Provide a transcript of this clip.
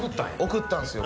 送ったんすよ